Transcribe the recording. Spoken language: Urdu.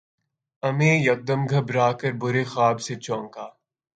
امیں یکدم گھبرا کر برے خواب سے چونکا